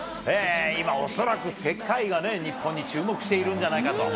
今、恐らく世界が日本に注目しているんじゃないかと。